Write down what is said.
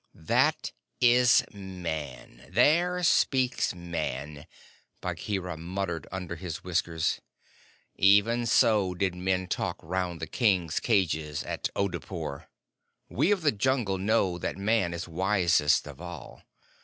"That is Man! There speaks Man!" Bagheera muttered under his whiskers. "Even so did men talk round the King's cages at Oodeypore. We of the Jungle know that Man is wisest of all.